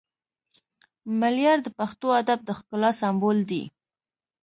ملیار د پښتو ادب د ښکلا سمبول دی